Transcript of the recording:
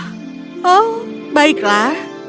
ini ada yang saya inginkan